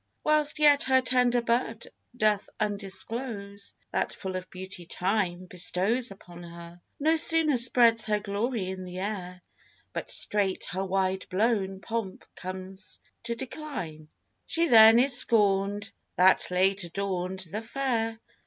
Whilst yet her tender bud doth undisclose That full of beauty Time bestows upon her: No sooner spreads her glory in the air, But straight her wide blown pomp comes to decline; She then is scorn'd, that late adorn'd the fair.